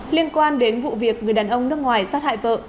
liên quan đến vụ việc người đàn ông nước ngoài sát hại bệnh viện